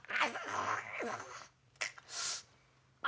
あ！